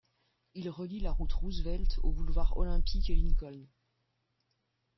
Il relie la route Roosevelt aux boulevards Olympic et Lincoln.